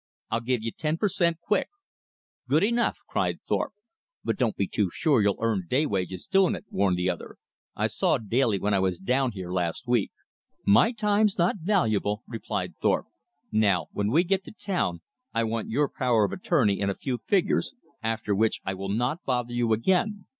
I'll give you ten per cent quick." "Good enough!" cried Thorpe. "But don't be too sure you'll earn day wages doing it," warned the other. "I saw Daly when I was down here last week." "My time's not valuable," replied Thorpe. "Now when we get to town I want your power of attorney and a few figures, after which I will not bother you again."